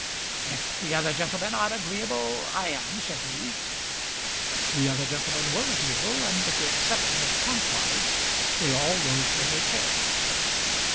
"If the other gentlemen are agreeable, I am," said he. The other gentlemen were agreeable, and, with the exception of Kantwise, they all rose from their chairs.